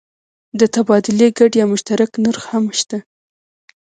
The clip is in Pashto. د تبادلې ګډ یا مشترک نرخ هم شته.